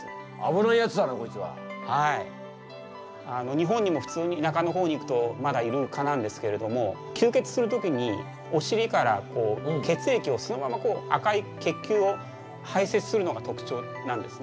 日本にも普通に田舎の方に行くとまだいる蚊なんですけれども吸血する時にお尻から血液をそのままこう赤い血球を排せつするのが特徴なんですね。